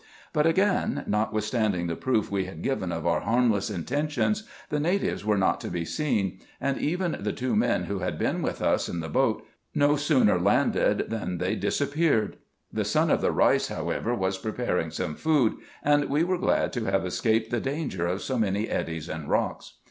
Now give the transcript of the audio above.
But again, notwithstanding the proof we had given of our harmless intentions, the natives were not to be seen ; and even the two men who had been with us in the boat no sooner landed than they disappeared. The son of the Eeis, however, was preparing some food ; and we were glad to have escaped the danger of so many eddies and rocks.